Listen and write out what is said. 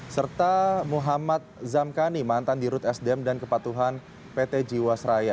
serta muhammad zamkani mantan dirut sdm dan kepatuhan pt jiwasraya